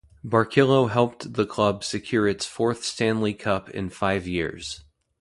Barilko helped the club secure its fourth Stanley Cup in five years.